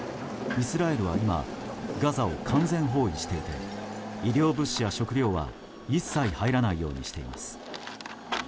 イスラエルは今ガザを完全包囲していて医療物資や食料は一切入らないようにしています。